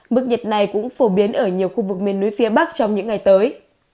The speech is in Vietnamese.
mức nhiệt này cũng phổ biến ở nhiều khu vực miền núi phía bắc trong những ngày tới